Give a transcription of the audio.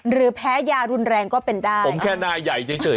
แพ้ยารุนแรงก็เป็นได้ผมแค่หน้าใหญ่เฉย